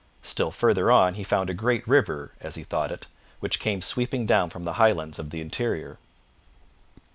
Still farther on he found a great river, as he thought it, which came sweeping down from the highlands of the interior.